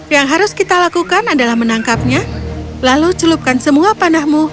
yang harus kita lakukan adalah menangkapnya lalu celupkan semua panahmu